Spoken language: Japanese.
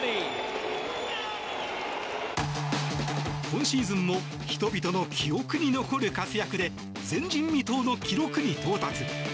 今シーズンも人々の記憶に残る活躍で前人未到の記録に到達。